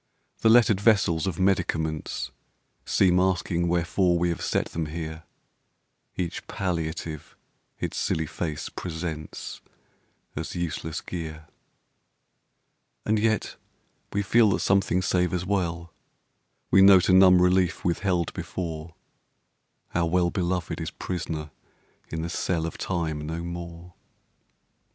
The lettered vessels of medicaments Seem asking wherefore we have set them here; Each palliative its silly face presents As useless gear. And yet we feel that something savours well; We note a numb relief withheld before; Our well beloved is prisoner in the cell Of Time no more.